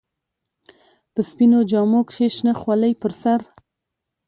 په سپينو جامو کښې شنه خولۍ پر سر.